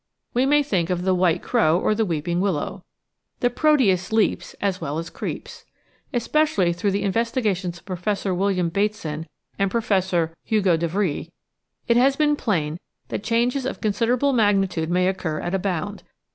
We may think of the white crow or the weeping willow. The Proteus leaps as well as creeps. Especially through the investi gations of Professor William Bateson and Professor Hugo de Vries, it has become plain that changes of considerable magni tude may occur at a bound.